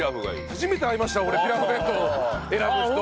初めて会いました俺ピラフ弁当選ぶ人。